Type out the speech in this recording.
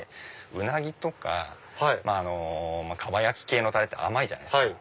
うなぎとかかば焼き系のタレ甘いじゃないですか。